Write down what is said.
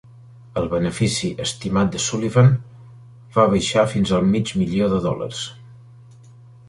El benefici estimat de Sullivan va baixar fins al mig milió de dòlars.